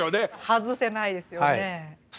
外せないですよね。